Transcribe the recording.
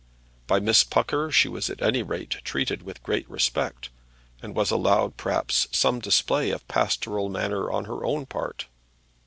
By Miss Pucker she was at any rate treated with great respect, and was allowed perhaps some display of pastoral manner on her own part.